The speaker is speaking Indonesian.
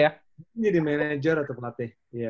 mungkin jadi manajer atau pelatih